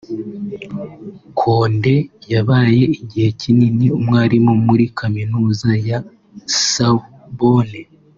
Conde wabaye igihe kinini umwarimu muri Kaminuza ya Sorbonne